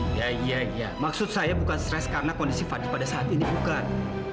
iya iya maksud saya bukan stres karena kondisi fadli pada saat ini bukan